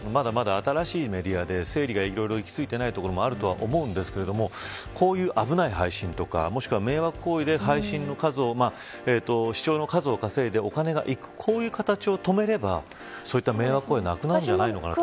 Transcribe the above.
新しいメディアで整理が行き着いていないところもあると思いますがこういう危ない配信とか迷惑行為で視聴の数を稼いでお金がいくという形を止めればそういった迷惑行為はなくなるんじゃないでしょうか。